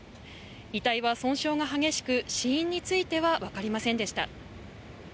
遺体は損傷が激しく、死因については分かりませんでした。